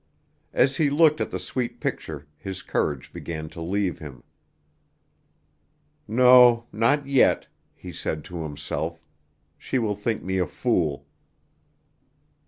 As he looked at the sweet picture his courage began to leave him. "No, not yet," he said to himself, "she will think me a fool."